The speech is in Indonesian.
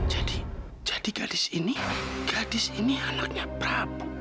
jadi jadi gadis ini gadis ini anaknya prabu